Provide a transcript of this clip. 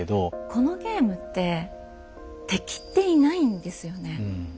このゲームって「敵」っていないんですよね。